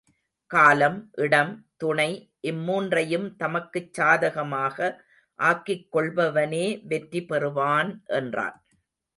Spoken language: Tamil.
காலம், இடம், துணை இம்மூன்றையும் தமக்குச் சாதகமாக ஆக்கிக் கொள்பவனே வெற்றி பெறுவான் எனறான்.